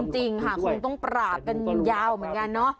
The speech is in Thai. จริงค่ะคงต้องปราบกันยาวเหมือนกันเนอะ